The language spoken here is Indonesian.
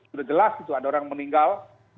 sudah jelas gitu ada orang meninggal